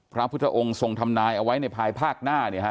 พระพุทธองค์ทรงทำนายเอาไว้ในภายภาคหน้าเนี่ยฮะ